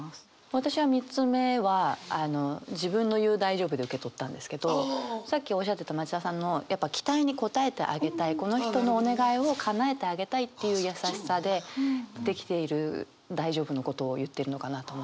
私は３つ目は自分の言う「大丈夫」で受け取ったんですけどさっきおっしゃってた町田さんのやっぱ期待に応えてあげたいこの人のお願いをかなえてあげたいっていう優しさで出来ている大丈夫のことを言ってるのかなと思って。